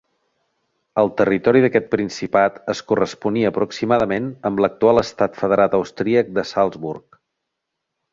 El territori d'aquest principat es corresponia aproximadament amb l'actual estat federat austríac de Salzburg.